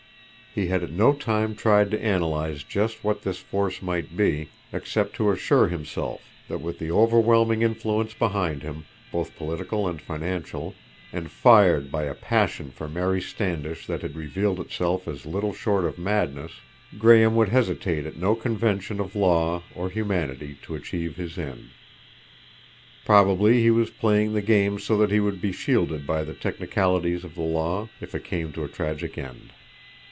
He had at no time tried to analyze just what this force might be, except to assure himself that with the overwhelming influence behind him, both political and financial, and fired by a passion for Mary Standish that had revealed itself as little short of madness, Graham would hesitate at no convention of law or humanity to achieve his end. Probably he was playing the game so that he would be shielded by the technicalities of the law, if it came to a tragic end.